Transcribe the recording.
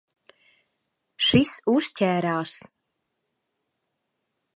Šis uzķērās.